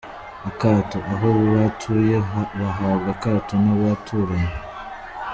Akato : Aho batuye bahabwa akato n’abaturanyi.